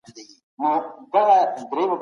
هغوی د خپلو مذهبي لارښوونو پيروي کوي.